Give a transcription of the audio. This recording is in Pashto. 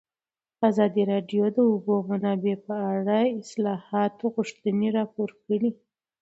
ازادي راډیو د د اوبو منابع په اړه د اصلاحاتو غوښتنې راپور کړې.